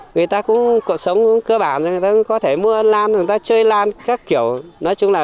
người ta cũng cuộc sống cũng cơ bản người ta có thể mua lan người ta chơi lan các kiểu nói chung là